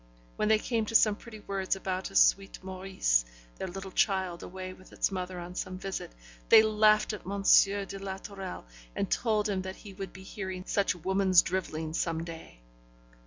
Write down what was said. When they came to some pretty words about a sweet Maurice, their little child away with its mother on some visit, they laughed at M. de la Tourelle, and told him that he would be hearing such woman's drivelling some day.